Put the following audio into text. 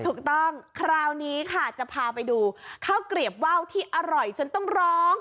ถูกต้องคราวนี้ค่ะจะพาไปดูข้าวเกลียบว่าวที่อร่อยฉันต้องร้อง